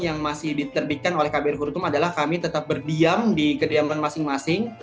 yang masih diterbitkan oleh kbri hurutum adalah kami tetap berdiam di kediaman masing masing